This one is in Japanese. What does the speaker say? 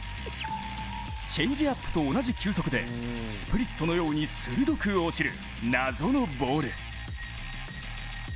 チェンジアップと同じ球速でスプリットのように鋭く落ちる謎のボール。